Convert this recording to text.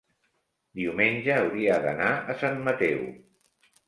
Diumenge hauria d'anar a Sant Mateu.